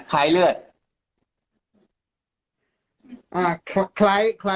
แต่หนูจะเอากับน้องเขามาแต่ว่า